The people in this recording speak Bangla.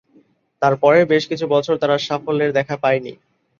তার পরের বেশ কিছু বছর তারা সাফল্যের দেখা পায়নি।